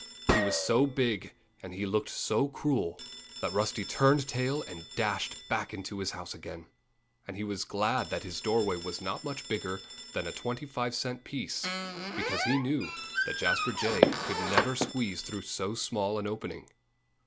He was so big and he looked so cruel that Rusty turned tail and dashed back into his house again. And he was glad that his doorway was not much bigger than a twenty five cent piece, because he knew that Jasper Jay could never squeeze through so small an opening.